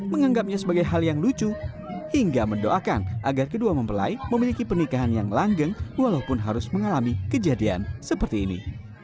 menganggapnya sebagai hal yang lucu hingga mendoakan agar kedua mempelai memiliki pernikahan yang langgeng walaupun harus mengalami kejadian seperti ini